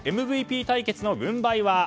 ＭＶＰ対決の軍配は？